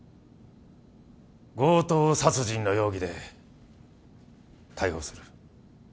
強盗殺人の容疑で逮捕する。